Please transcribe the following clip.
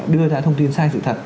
đưa ra thông tin sai sự thật